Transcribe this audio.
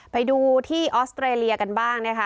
ไปดูที่ออสเตรเลียกันบ้างนะคะ